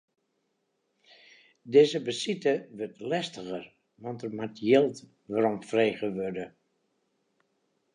Dizze besite wurdt lestiger, want der moat jild weromfrege wurde.